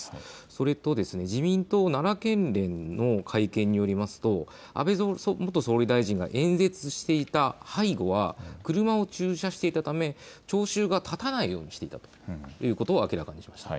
それと自民党奈良県連の会見によりますと安倍元総理大臣が演説していた背後は車を駐車していたため聴衆が立たないようにしていたということを明らかにしました。